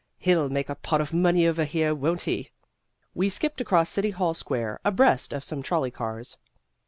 He'll make a pot of money over here, won't he?" We skipped across City Hall Square abreast of some trolley cars.